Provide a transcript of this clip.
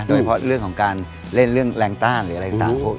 เพราะเรื่องของการเล่นเรื่องแรงต้านหรืออะไรต่างพวก